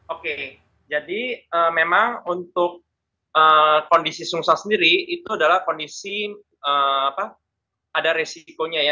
oke jadi memang untuk kondisi sungsa sendiri itu adalah kondisi ada resikonya ya